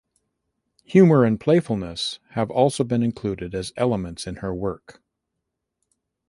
Humor and playfulness have also been included as elements in her work.